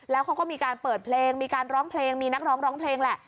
แล้วเขาก็มีการเปิดเพลงมีการร้องเพลงมีนักร้องร้องเพลงแหละ